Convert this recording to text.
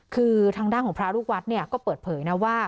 คือทางด้านของพระลูกวัดเนี่ยก็เปิดเผยนะว่า